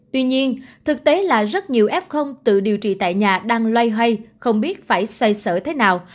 tuy nhiên thực tế là rất nhiều f tự điều trị tại nhà đang loay hoay không biết phải xoay sở thế nào